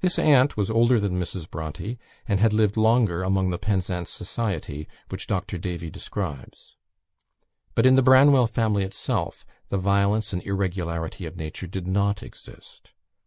This aunt was older than Mrs. Bronte, and had lived longer among the Penzance society, which Dr. Davy describes. But in the Branwell family itself, the violence and irregularity of nature did not exist.